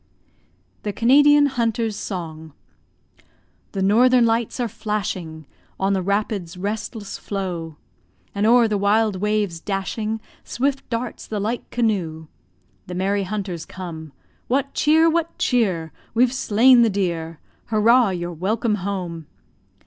THE CANADIAN HUNTER'S SONG The northern lights are flashing, On the rapids' restless flow; And o'er the wild waves dashing, Swift darts the light canoe. The merry hunters come. "What cheer? what cheer?" "We've slain the deer!" "Hurrah! You're welcome home!"